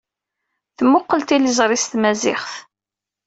Ttmuqqul tiliẓri s tmaziɣt.